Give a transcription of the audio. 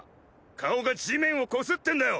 “顔”が地面をこすってんだよ。